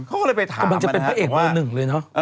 เขาก็เลยไปถามมันนะครับถูกว่า